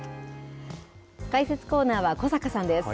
解説コーナーは小坂さんです。